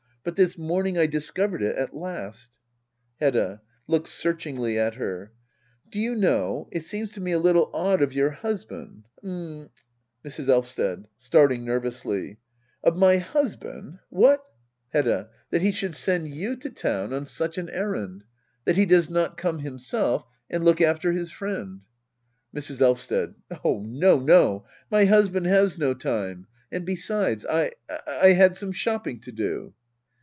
But this morning I discovered it at last. Hbdda. [Looks searchingly at Aer.l Do you know^ it seems to me a little odd of your husband — h'm Mrs. Elvsted. [Starting nervous^ Jj Of my husband ! What ? Digitized by Google act i.] hedda oablbr. 35 Hedda. That he should send you to town on such an errand — ^that he does not come himself and look after his friend. Mrs. Elysted. Oh no, no— my husband has no time. And besides^ I — I had some shopping to do.